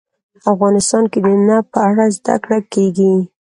افغانستان کې د نفت په اړه زده کړه کېږي.